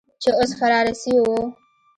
چې اوس فراره سوي وو.